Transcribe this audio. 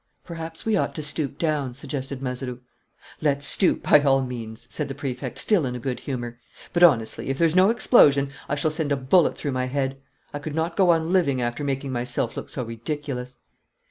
"Perhaps we ought to stoop down," suggested Mazeroux. "Let's stoop, by all means," said the Prefect, still in a good humour. "But, honestly, if there's no explosion, I shall send a bullet through my head. I could not go on living after making myself look so ridiculous."